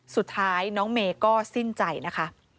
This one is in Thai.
สุดท้ายน้องเมย์ก็สิ้นใจนะคะ